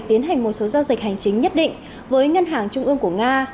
tiến hành một số giao dịch hành chính nhất định với ngân hàng trung ương của nga